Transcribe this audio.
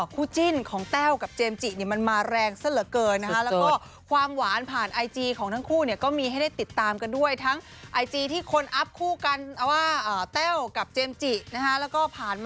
คู่จิ้นของแต้วกับเจมส์จิมันมาแรงซะเหลือเกินนะคะ